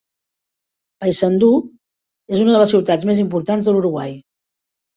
Paysandú és una de les ciutats més importants de l'Uruguai.